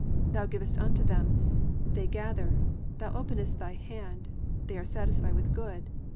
(28) Thou givest unto them, they gather; thou openest thy hand, they are satisfied with good.